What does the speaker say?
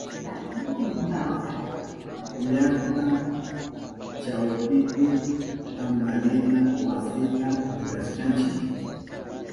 Llakta chawpipi tantarina wasita rurashkanchi.